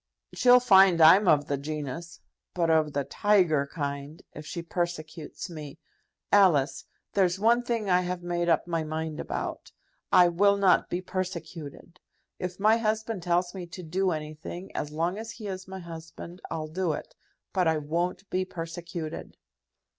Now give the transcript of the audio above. "She'll find I'm of the genus, but of the tiger kind, if she persecutes me. Alice, there's one thing I have made up my mind about. I will not be persecuted. If my husband tells me to do anything, as long as he is my husband I'll do it; but I won't be persecuted."